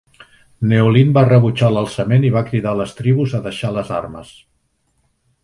Neolin va rebutjar l'alçament i va cridar a les tribus a deixar les armes.